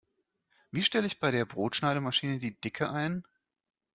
Wie stelle ich bei der Brotschneidemaschine die Dicke ein?